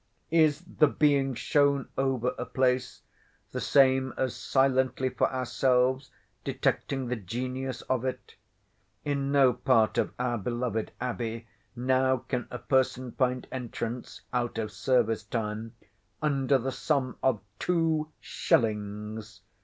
Is the being shown over a place the same as silently for ourselves detecting the genius of it? In no part of our beloved Abbey now can a person find entrance (out of service time) under the sum of two shillings.